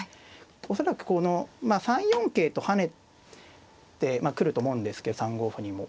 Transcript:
恐らくこの３四桂と跳ねてくると思うんですけど３五歩にも。